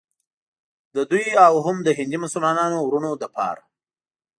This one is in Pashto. د دوی او هم د هندي مسلمانانو وروڼو لپاره.